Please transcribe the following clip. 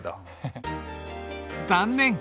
残念！